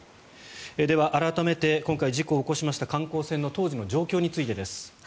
では、改めて今回、事故を起こしました観光船の当時の状況です。